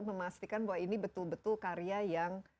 memastikan bahwa ini betul betul karya yang